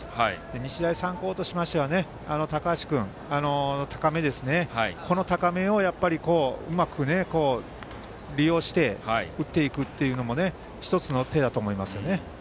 日大三高は高橋君の高めをうまく利用して打っていくというのも１つの手だと思います。